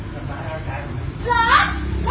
ช่วยด้วยค่ะส่วนสุด